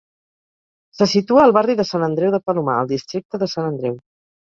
Se situa al barri de Sant Andreu de Palomar, al districte de Sant Andreu.